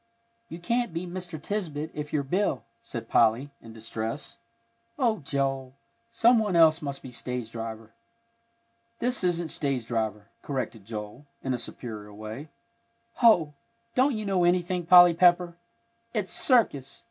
"You can't be Mr. Tisbett if you're Bill," said Polly, in distress. "Oh, Joel, some one else must be stage driver." "This isn't stage driver," corrected Joel, in a superior way. "Hoh! don't you know anything, Polly Pepper! It's circus!